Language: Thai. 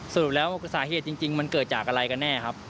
สรุปแล้วสาเหตุจริงมันเกิดจากอะไรกันแน่ครับ